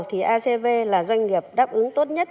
thì acv là doanh nghiệp đáp ứng tốt nhất